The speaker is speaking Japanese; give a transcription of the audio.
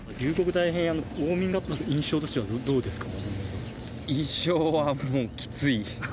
大平安のウォーミングアップの印象としてはどうですか？